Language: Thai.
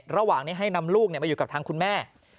ระหว่างนี้ให้นำลูกมาอยู่กับทางคุณแม่